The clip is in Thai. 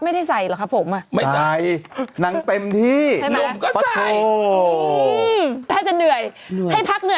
ไม่ใช่หมายถึงคนแกะออก